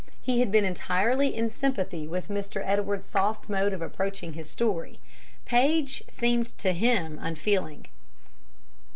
He had been entirely in sympathy with Mr. Edwards's soft mode of approaching his story. Paige seemed to him unfeeling.